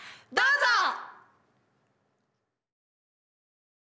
どうぞ！